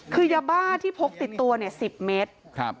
คือยาบ้าที่พกติดตัว๑๐เมตร